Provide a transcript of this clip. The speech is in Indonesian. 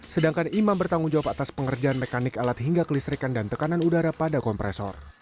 sedangkan imam bertanggung jawab atas pengerjaan mekanik alat hingga kelistrikan dan tekanan udara pada kompresor